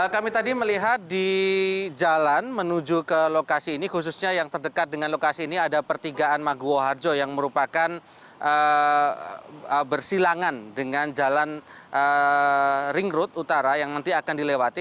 kami tadi melihat di jalan menuju ke lokasi ini khususnya yang terdekat dengan lokasi ini ada pertigaan maguwo harjo yang merupakan bersilangan dengan jalan ring road utara yang nanti akan dilewati